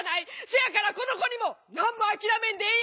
せやからこの子にも何も諦めんでえ